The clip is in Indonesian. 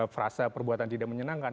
frase perbuatan tidak menyenangkan